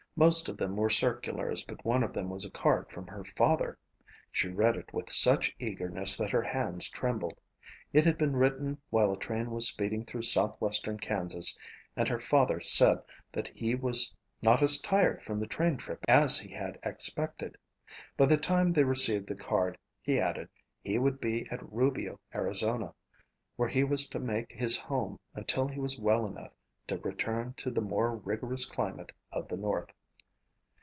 Most of them were circulars but one of them was a card from her father. She read it with such eagerness that her hands trembled. It had been written while the train was speeding through southwestern Kansas and her father said that he was not as tired from the train trip as he had expected. By the time they received the card, he added, he would be at Rubio, Arizona, where he was to make his home until he was well enough to return to the more rigorous climate of the north.